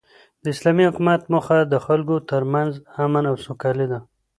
د اسلامي حکومت موخه د خلکو تر منځ امن او سوکالي ده.